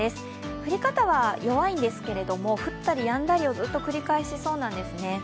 降り方は弱いんですけれども、降ったりやんだりをずっと繰り返しそうなんですね。